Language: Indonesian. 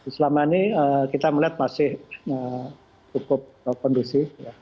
selama ini kita melihat masih cukup kondusif